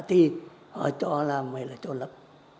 thì họ cho là mới là trôn lập